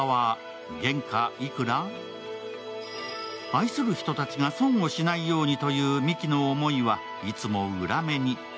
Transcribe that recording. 愛する人たちが損をしないようにというミキの思いはいつも裏目に。